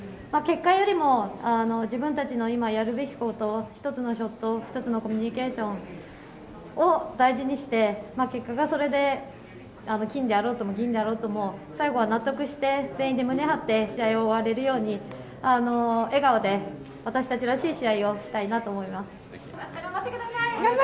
結果よりも、自分たちの今やるべきことを、１つのショット、１つのコミュニケーションを大事にして、結果がそれで金であろうとも、銀であろうとも、最後は納得して、全員で胸張って試合を終われるように、笑顔で私たちらしい試合をあした頑張ってください。